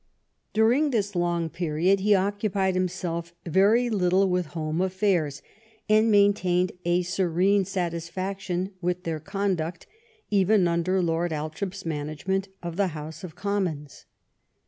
During this long period he occupied himself very little with home affairs, and maintained a serene satis faction with their conduct even under Lord Althorp's management of the House of Commons.